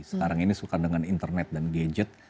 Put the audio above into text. sekarang ini suka dengan internet dan gadget